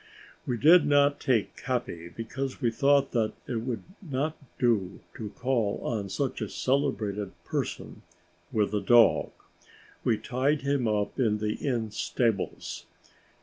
We did not take Capi, because we thought that it would not do to call on such a celebrated person with a dog. We tied him up in the inn stables.